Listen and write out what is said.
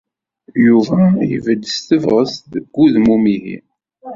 Yuba ibedd s tebɣest deg udem umihi.